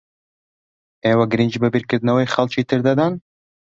ئێوە گرنگی بە بیرکردنەوەی خەڵکی تر دەدەن؟